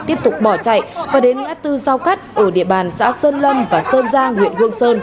tiếp tục bỏ chạy và đến ngã tư giao cắt ở địa bàn xã sơn lâm và sơn giang huyện hương sơn